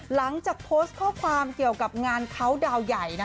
หลังจากโพสต์ข้อความเกี่ยวกับงานเขาดาวใหญ่